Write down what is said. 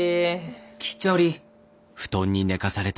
着ちょり。